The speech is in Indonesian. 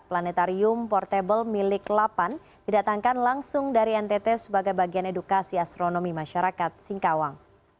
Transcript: planetarium portable milik lapan didatangkan langsung dari ntt sebagai bagian edukasi astronomi masyarakat singkawang